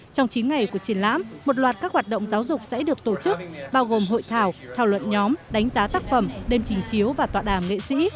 trong chín ngày của triển lãm một loạt các hoạt động giáo dục sẽ được tổ chức bao gồm hội thảo thảo luận nhóm đánh giá tác phẩm đêm trình chiếu và tọa đàm nghệ sĩ